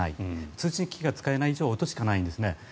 通信機器が使えない以上音しかないんですね。